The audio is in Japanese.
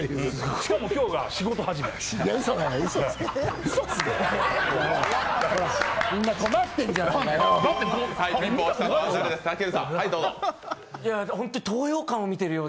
しかも今日が仕事始めっていう。